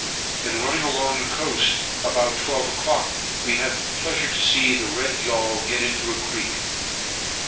In running along the coast, about twelve o'clock, we had the pleasure to see the red yaul get into a creek.